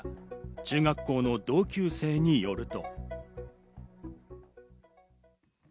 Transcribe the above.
中学校の同級生によると。